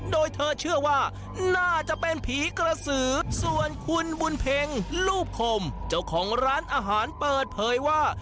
โดยเธอเชื่อว่าน่าจะเป็นผีกระสือส่วนคุณบุญเพ็งรูปคมเจ้าของร้านอาหารเปิดเผยว่า